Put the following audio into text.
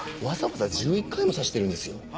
わざわざ１１回も刺してるんですよ？